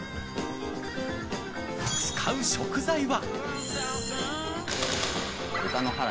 使う食材は。